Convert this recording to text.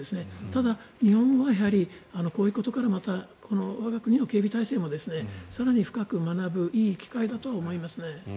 ただ、日本はこういうことからまた我が国の警備体制も更に深く学ぶいい機会だと思いますね。